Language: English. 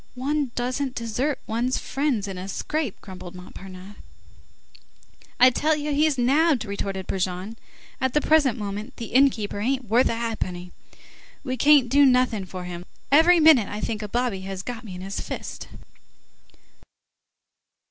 "One doesn't desert one's friends in a scrape," grumbled Montparnasse. "I tell you he's nabbed!" retorted Brujon. "At the present moment, the inn keeper ain't worth a ha'penny. We can't do nothing for him. Let's be off. Every minute I think a bobby has got me in his fist."